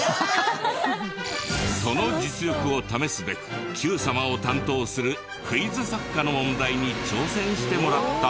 その実力を試すべく『Ｑさま！！』を担当するクイズ作家の問題に挑戦してもらった。